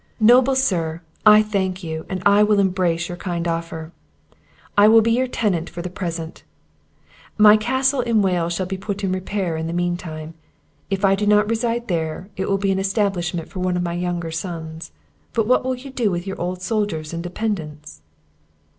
"Noble sir, I thank you, and I will embrace your kind offer; I will be your tenant for the present; my castle in Wales shall be put in repair, in the meantime; if I do not reside there, it will be an establishment for one of my younger sons." "But what will you do with your old soldiers and dependants?"